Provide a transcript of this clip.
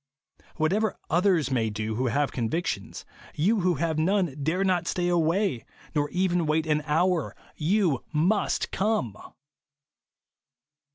Whatever others may do who have convictions, you who have none dare not stay away, nor even wait an hour. Tou MUST come